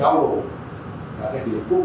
đảm bảo cho tỉnh tỉnh đồng nai